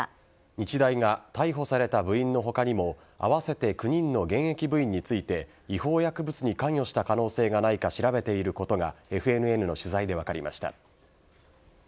日大が逮捕された部員の他にも合わせて９人の現役部員について違法薬物に関与した可能性がないか調べていることがＦＮＮの取材で分かりました。